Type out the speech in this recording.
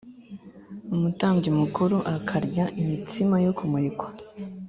Umutambyi mukuru akarya imitsima yo kumurikwa